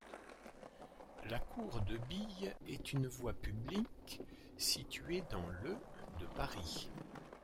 La cour Debille est une voie publique située dans le de Paris.